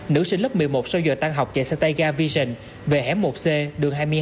nữ sinh lớp một mươi một sau giờ tan học chạy sang tay ga vision về hẻm một c đường hai mươi hai